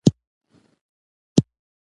رومیان له مرچو سره خوند کوي